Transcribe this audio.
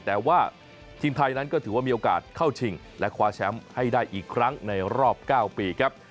แต่ว่าทีมไทยนั้นก็ถือว่ามีโอกาสเข้าชิงและคว้าแชมป์ให้ได้อีกครั้งในรอบ๙ปีครับ